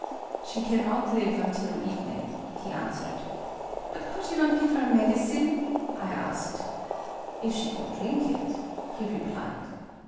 '' She cannot live until evening," he answered* "But could you not give her medicine ?" I asked. " If she could drink it," he replied.